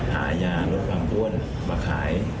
หายาลดความอ้วนมาขาย